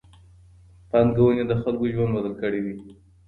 پانګونې د خلګو ژوند بدل کړی دی.